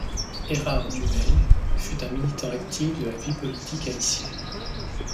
Hérard Dumesle fut un militant actif de la vie politique haïtienne.